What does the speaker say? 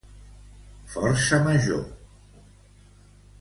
Força major.